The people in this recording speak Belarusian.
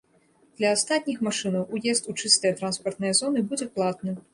Для астатніх машынаў уезд у чыстыя транспартныя зоны будзе платны.